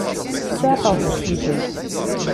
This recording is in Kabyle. Saεfeɣ-t deg usikel.